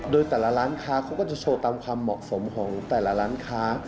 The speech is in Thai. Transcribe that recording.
โดยแต่ละร้านค้าเขาก็จะโชว์ตามความเหมาะสมของแต่ละร้านค้า